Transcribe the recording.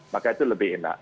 maka itu lebih enak